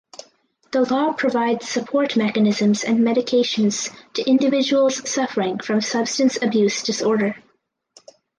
The law provides support mechanisms and medications to individuals suffering from substance abuse disorder.